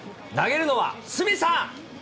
投げるのは鷲見さん。